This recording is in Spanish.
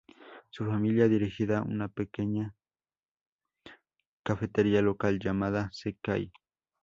Su familia dirigía una pequeña cafetería local llamada "Sekai".